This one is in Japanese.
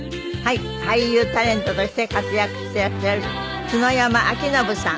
俳優タレントとして活躍してらっしゃる篠山輝信さん。